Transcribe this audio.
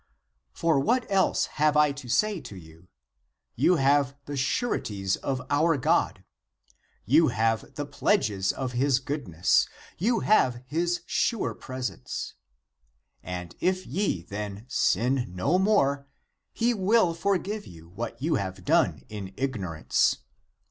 For what else have I to say to you? You have the sureties of our God. You have the pledges of his goodness, you have his sure presence. And if ye, then, sin no more, he will for give you what you have done in ignorance.